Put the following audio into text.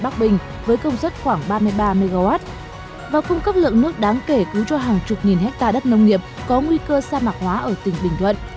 công tác đáng kể cứu cho hàng chục nghìn hectare đất nông nghiệp có nguy cơ sa mạc hóa ở tỉnh bình thuận